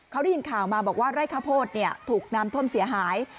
เขาได้ยินข่าวมาบอกว่าไร่ข้าวโพดถูกน้ำท่วมเสียหาย